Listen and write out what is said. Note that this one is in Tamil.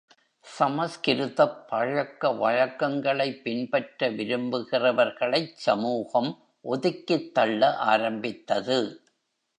சமஸ்கிருதப் பழக்க வழக்கங்களைப் பின்பற்ற விரும்புகிறவர்களைச் சமூகம் ஒதுக்கித் தள்ள ஆரம்பித்தது.